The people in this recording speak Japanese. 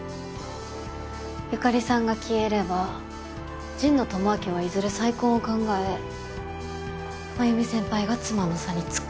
由香里さんが消えれば神野智明はいずれ再婚を考え繭美先輩が妻の座につく。